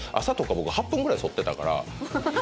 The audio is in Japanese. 朝とか僕８分ぐらいそってたから。